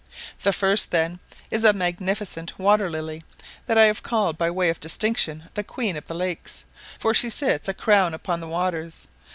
The first, then, is a magnificent water lily, that I have called by way of distinction the "queen of the lakes," for she sits a crown upon the waters.